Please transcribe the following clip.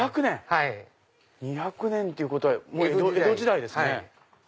２００年っていうことは江戸時代ですね。